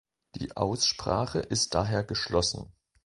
Die Aussprache ist daher geschlossen.